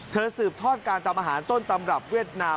สืบทอดการทำอาหารต้นตำรับเวียดนาม